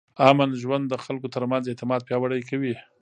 امن ژوند د خلکو ترمنځ اعتماد پیاوړی کوي.